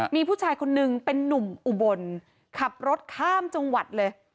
มีผู้ชายคนนึงเป็นนุ่มอุบลขับรถข้ามจังหวัดเลย